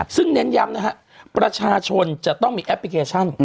ซึ่งเน้นย้ำนะฮะประชาชนจะต้องมีแอปพลิเคชัน